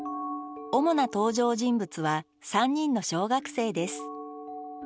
主な登場人物は３人の小学生です。